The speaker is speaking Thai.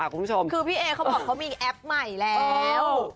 คือพี่เอเขาบอกเขามีแอปใหม่แล้ว